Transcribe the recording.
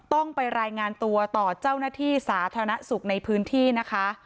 ต้องไปรายงานตัวต่อเจ้าหน้าที่สาธารณสุขในพื้นที่นะคะ